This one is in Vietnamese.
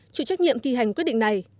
chủ trách nhiệm kỳ hành quyết định này